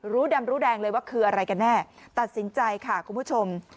ดำรู้แดงเลยว่าคืออะไรกันแน่ตัดสินใจค่ะคุณผู้ชม